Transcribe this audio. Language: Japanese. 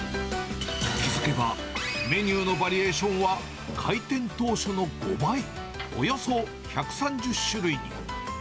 気付けばメニューのバリエーションは開店当初の５倍、およそ１３０種類に。